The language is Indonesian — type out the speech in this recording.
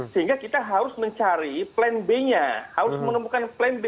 sehingga kita harus mencari plan b nya harus menemukan plan b